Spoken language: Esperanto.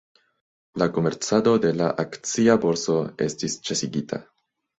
La komercado de la akcia borso estis ĉesigita.